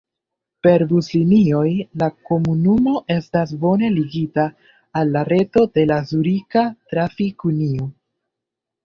Per buslinioj la komunumo estas bone ligita al la reto de la Zurika Trafik-Unio.